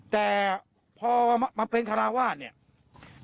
แต่พอมาเป็นคาราวาสเนี่ย